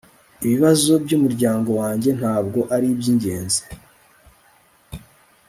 Ibibazo byumuryango wanjye ntabwo aribyingenzi